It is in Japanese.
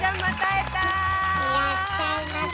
いらっしゃいませ。